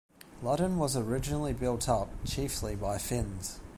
Ludden was originally built up chiefly by Finns.